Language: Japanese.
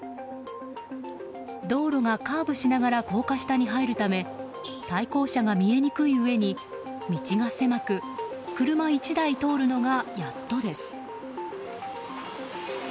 道路がカーブしながら高架下に入るため対向車が見えにくいうえに道が狭く車１台通るのがやっとです。